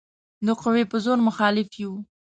د قوې په زور مخالف یو.